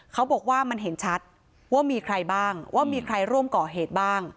เขาบอกว่ามันเห็นชัดว่ามีใครบ้างว่ามีใครร่วมก่อเหตุบ้าง